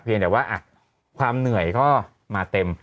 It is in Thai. เพียงแต่ว่าอ่ะความเหนื่อยก็มาเต็ม